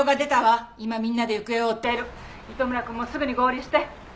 「糸村くんもすぐに合流して！」